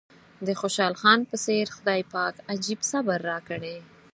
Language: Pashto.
د خوشحال خان په څېر خدای پاک عجيب صبر راکړی.